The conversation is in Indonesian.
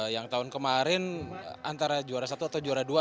yang tahun kemarin antara juara satu atau juara dua